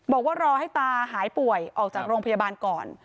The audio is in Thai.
บอกว่ารอให้ตาหายป่วยออกจากโรงพยาบาลก่อน